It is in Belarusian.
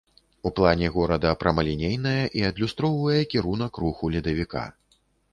У плане града прамалінейная і адлюстроўвае кірунак руху ледавіка.